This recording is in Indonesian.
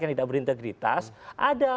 yang tidak berintegritas ada